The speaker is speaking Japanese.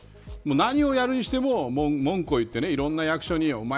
何をやるにしても文句を言っていろんな役所にお前